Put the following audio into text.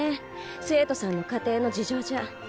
生徒さんの家庭の事情じゃ。